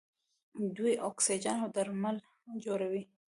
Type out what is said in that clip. دوی واکسین او درمل جوړوي.